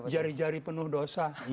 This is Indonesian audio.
jari jari penuh dosa